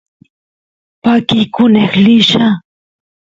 pakikun eqlilla